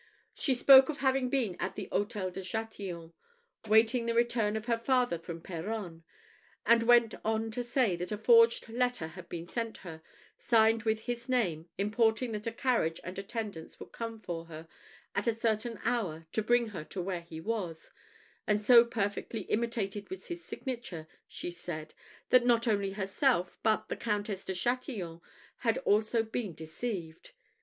She spoke of having been at the Hôtel de Chatillon, waiting the return of her father from Peronne, and went on to say that a forged letter had been sent her, signed with his name, importing that a carriage and attendants would come for her at a certain hour to bring her to where he was; and so perfectly imitated was the signature, she said, that not only herself, but the Countess de Chatillon had also been deceived.